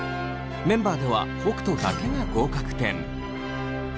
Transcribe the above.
メンバーでは北斗だけが合格点。